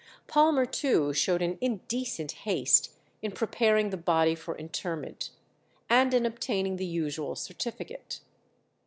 Palmer too showed an indecent haste in preparing the body for interment, and in obtaining the usual certificate.